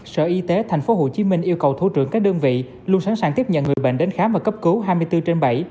sở y tế tp hcm yêu cầu thủ trưởng các đơn vị luôn sẵn sàng tiếp nhận người bệnh đến khám và cấp cứu hai mươi bốn trên bảy